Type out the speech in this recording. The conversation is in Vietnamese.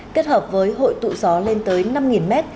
kết hợp với hội tụ gió lên tới năm m